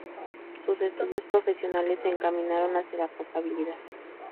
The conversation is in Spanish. Sus estudios profesionales se encaminaron hacia la contabilidad.